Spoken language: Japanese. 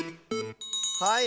はい